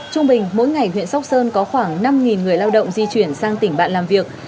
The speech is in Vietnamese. trung bình mỗi ngày huyện sóc sơn có khoảng năm người lao động di chuyển sang tỉnh bạn làm việc